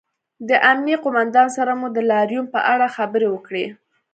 د امنیې قومندان سره مو د لاریون په اړه خبرې وکړې